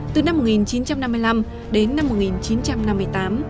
từ năm một nghìn chín trăm năm mươi năm đến năm một nghìn chín trăm năm mươi tám